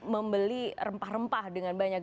membeli rempah rempah dengan banyak